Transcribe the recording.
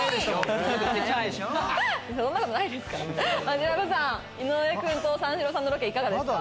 マヂラブさん井上君と三四郎さんのロケいかがですか？